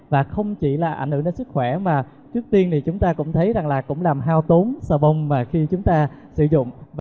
và không chỉ là ảnh hưởng đến sức khỏe mà trước tiên thì chúng ta cũng thấy rằng là cũng làm hao tốn sò bông mà khi chúng ta sử dụng